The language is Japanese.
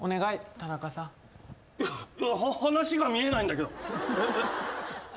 話が見えないんだけど。